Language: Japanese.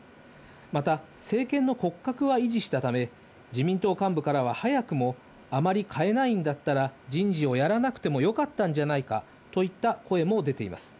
また、政権の骨格は維持したため、自民党幹部からは早くも、あまり変えないんだったら人事をやらなくてもよかったんじゃないかといった声も出ています。